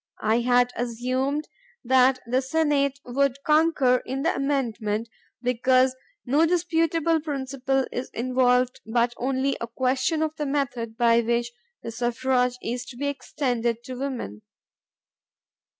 I had assumed that the Senate would concur in the amendment because ho disputable principle is involved but only a question of the method by which the suffrage is to be extended to women.